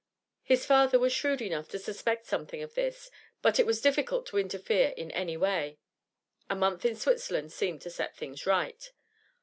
His father was shrewd enough to suspect something of this, but it was difficult to interfere in any way. A month in Switzerland seemed to set things right.